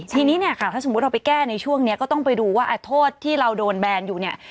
ทีนี้เนี่ยค่ะถ้าสมมุติเราไปแก้ในช่วงนี้ก็ต้องไปดูว่าโทษที่เราโดนแบนอยู่เนี่ย